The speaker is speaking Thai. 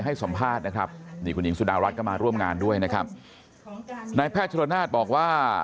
ให้สัมภาษณ์นะครับนี่คุณหญิงสุดารัฐก็มาร่วมงานด้วยนะครับนายแพทย์ชรนาศบอกว่า